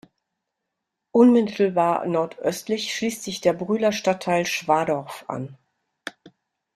Unmittelbar nordöstlich schließt sich der Brühler Stadtteil Schwadorf an.